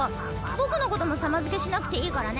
僕のことも「様」付けしなくていいからね。